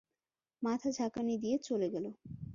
মাথা ঝাঁকানি দিয়ে চলে গেল।